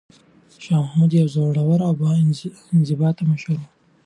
شاه محمود یو زړور او با انضباطه مشر و.